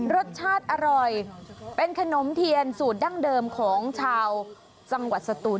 รสชาติอร่อยเป็นขนมเทียนสูตรดั้งเดิมของชาวจังหวัดสตูน